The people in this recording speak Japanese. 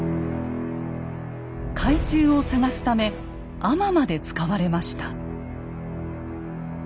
海中を捜すため海人まで使われました。